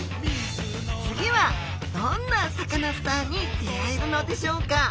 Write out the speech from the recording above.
次はどんなサカナスターに出会えるのでしょうか？